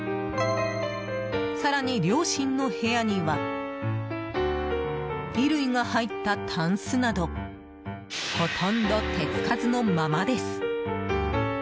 更に、両親の部屋には衣類が入った、たんすなどほとんど手つかずのままです。